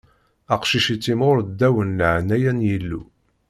Aqcic ittimɣur ddaw n leɛnaya n Yillu.